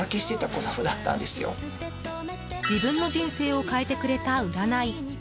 自分の人生を変えてくれた、占い。